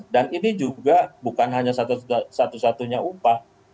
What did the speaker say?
dan ini juga bukan hanya satu satunya upah